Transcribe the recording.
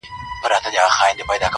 o اې ښكلي پاچا سومه چي ستا سومه.